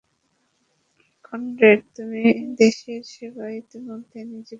Conrad, তুমি দেশের সেবায় ইতোমধ্যেই নিজেকে সঁপে দিয়েছ।